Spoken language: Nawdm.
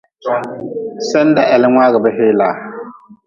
Senda heli mngaagʼbe helaa.